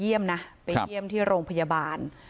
เยี่ยมนะไปเยี่ยมที่โรงพยาบาล๑๔๓๐๐๐๐๐๙๐๐๑